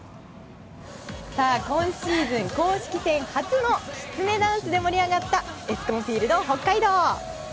今シーズン、公式戦初のきつねダンスで盛り上がったエスコンフィールドＨＯＫＫＡＩＤＯ。